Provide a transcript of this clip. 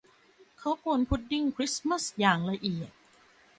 เขากวนพุดดิ้งคริสต์มาสอย่างละเอียด